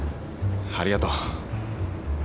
ありがとう。